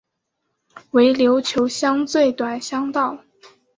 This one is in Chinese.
为琉球乡最短乡道。